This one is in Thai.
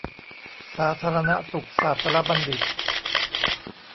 สาธารณสุขศาสตรบัณฑิต